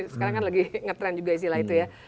sekarang kan lagi ngetrend juga istilah itu ya